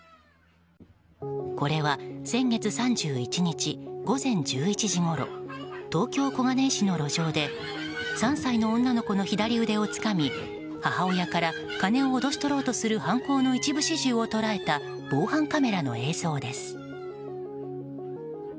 これは先月３１日午前１１時ごろ東京・小金井市の路上で３歳の女の子の左腕をつかみ母親から金を脅し取ろうとする犯行の一部始終を捉えた防犯カメラの映像です。